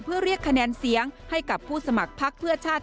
เพื่อเรียกคะแนนเสียงให้กับผู้สมัครพักเพื่อชาติ